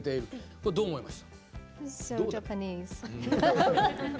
これ、どう思います？